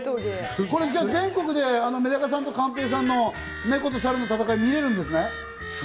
これじゃあ全国でめだかさんと寛平さんの猫とサルの戦い、見られるんですね。